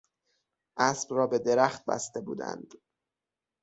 اسب را به درخت بسته بودند.